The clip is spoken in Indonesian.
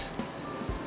nggak usah pak